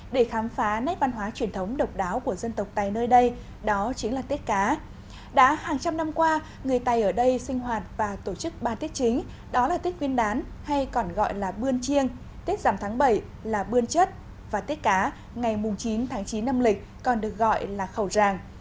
đã hàng trăm năm qua người tài ở đây sinh hoạt và tổ chức ba tết chính đó là tết nguyên đán hay còn gọi là bươn chiêng tết giảm tháng bảy là bươn chất và tết cá ngày chín tháng chín năm lịch còn được gọi là khẩu ràng